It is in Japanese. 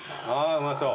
うまそう